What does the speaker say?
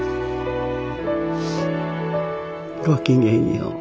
ごきげんよう。